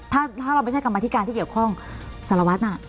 ถ้าเราไม่ใช่กรรมธิการที่เกี่ยวข้องสารวัตรน่ะ